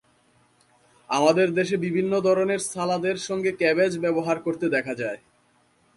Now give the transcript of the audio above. আমাদের দেশে বিভিন্ন ধরনের সালাদের সঙ্গে ক্যাবেজ ব্যবহার করতে দেখা যায়।